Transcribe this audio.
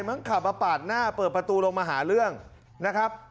ขับมาปาดหน้าเปิดประตูลงมาหาเรื่องนะครับ